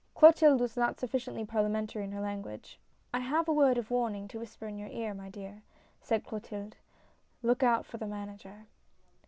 Clotilde was not sufficiently parliamentary in her language. " I have a word of warning to whisper in your ear, my dear," said Clotilde. " Look out for the manager."